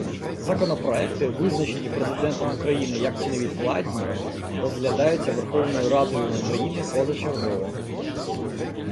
Законопроекти, визначені Президентом України як невідкладні, розглядаються Верховною Радою України позачергово.